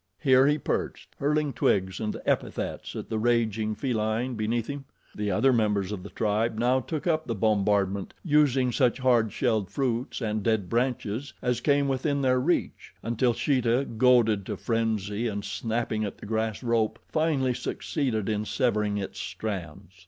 Here he perched, hurling twigs and epithets at the raging feline beneath him. The other members of the tribe now took up the bombardment, using such hard shelled fruits and dead branches as came within their reach, until Sheeta, goaded to frenzy and snapping at the grass rope, finally succeeded in severing its strands.